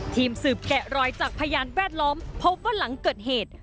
ทีมสืบแกะรอยจากพยานแวดล้อมพบว่าหลังเกิดเหตุ